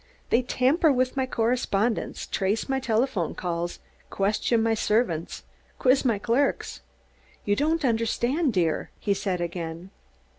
They tamper with my correspondence, trace my telephone calls, question my servants, quiz my clerks. You don't understand, dear," he said again.